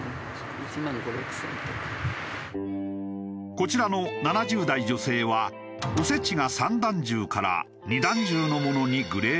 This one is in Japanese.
こちらの７０代女性はおせちが三段重から二段重のものにグレードダウン。